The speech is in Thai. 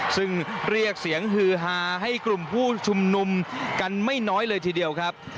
ซึ่งเรียกเสียงฮือฮาให้กลุ่มผู้ชุมนุมกันไม่น้อยเลยทีเดียวครับ